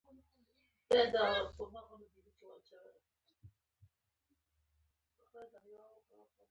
د دغې دورې ځانګړتیاوې په کورنۍ کې د سیاسي واک ټینګښت و.